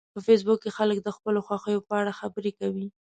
په فېسبوک کې خلک د خپلو خوښیو په اړه خبرې کوي